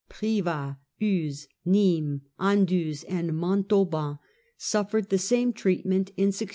Privas, Uzfcs, Nismes, Anduze, and Montauban suffered the same treatment in 1629.